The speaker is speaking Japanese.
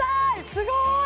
すごい！